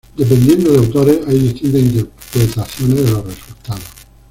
Dependiendo de autores, hay distintas interpretaciones de los resultados.